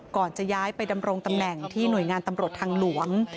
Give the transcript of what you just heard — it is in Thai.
ก่อนจะย้ายไปดำรงตำแหน่งที่หน่วยงานตำรวจทางหลวง